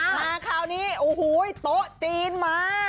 มาคราวนี้โต๊ะจีนมา